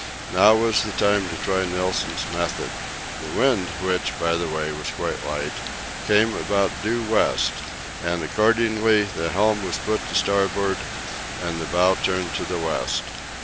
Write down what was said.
Now was the time to try Nilsen's method: the wind, which, by the way, was quite light, came about due west, and accordingly the helm was put to starboard and the bow turned to the west.